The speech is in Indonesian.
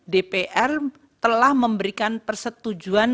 dpr telah memberikan persetujuan